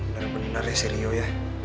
bener bener ya si rio ya